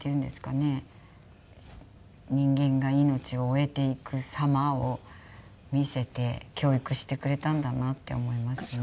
人間が命を終えていく様を見せて教育してくれたんだなって思いますね。